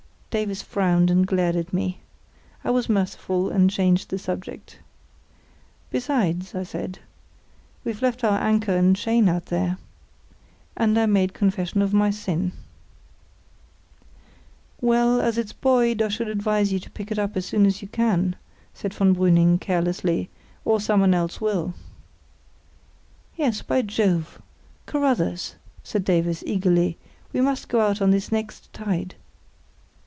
Davies frowned and glared at me. I was merciful and changed the subject. "Besides," I said, "we've left our anchor and chain out there." And I made confession of my sin. "Well, as it's buoyed, I should advise you to pick it up as soon as you can," said von Brüning, carelessly; "or someone else will." "Yes, by Jove! Carruthers," said Davies, eagerly, "we must get out on this next tide."